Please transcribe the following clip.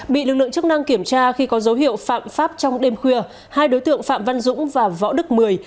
bị lực lượng chức năng kiểm tra khi có dấu hiệu phạm pháp trong đêm khuya hai đối tượng phạm văn dũng và võ đức mười